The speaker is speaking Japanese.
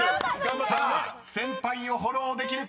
さあ先輩をフォローできるか］